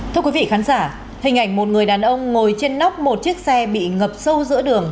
thưa quý vị khán giả hình ảnh một người đàn ông ngồi trên nóc một chiếc xe bị ngập sâu giữa đường